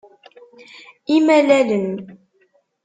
Imalalen.